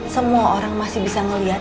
semua orang masih bisa melihat